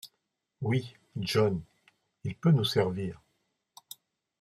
Oui, John, il peut nous servir…